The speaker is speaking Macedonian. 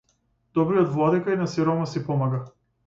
Добриот владика и на сиромаси помага.